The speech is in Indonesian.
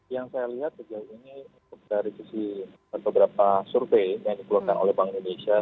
yang saya lihat sejauh ini dari sisi beberapa survei yang dikeluarkan oleh bank indonesia